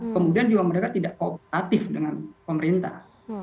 kemudian juga mereka tidak kooperatif dengan pemerintah